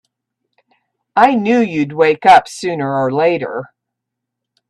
I knew you'd wake up sooner or later!